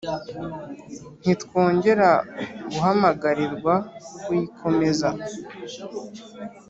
ntitwongera guhamagarirwa kuyikomeza